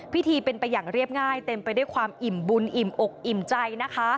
พิธีเป็นไปอย่างเรียบง่ายเต็มไปด้วยความอิ่มบุญอิ่มอกอิ่มใจนะคะ